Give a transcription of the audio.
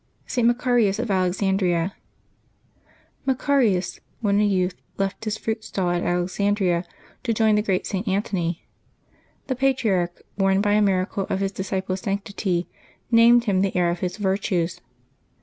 ST. MACARIUS OF ALEXANDRIA. /Y^ACARius when a youth left his fruit stall at Ales M< andria to join the great St. Antony. The patri arch, warned by a miracle of his disciple's sanctity, named him the heir of his virtues.